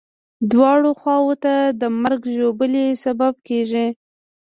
دواړو خواوو ته د مرګ ژوبلې سبب کېږي.